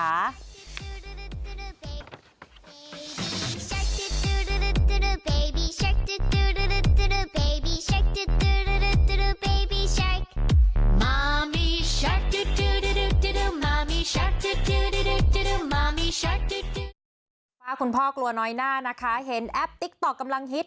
คุณพ่อกลัวน้อยหน้านะคะเห็นแอปติ๊กต๊อกกำลังฮิต